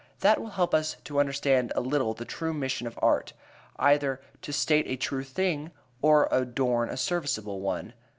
That will help us to understand a little the true mission of art, "either to state a true thing, or adorn a serviceable one."